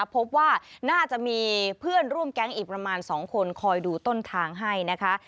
พบว่าน่าจะมีเพื่อนร่วมแก๊งอีกประมาณ๒คนคอยดูต้นทางให้นะคะ